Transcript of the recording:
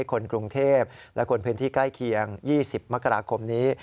คนกรุงเทพและคนพื้นที่ใกล้เคียง๒๐มกราคมนี้